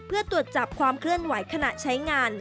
เพื่อตรวจจับความเคลื่อนไหวขณะใช้งาน